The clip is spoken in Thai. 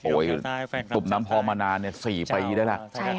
โอ้ยตุ่มน้ำพรองมานาน๔ปีก็ได้ละ